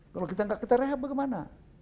kalau kita nggak kita rehab bagaimana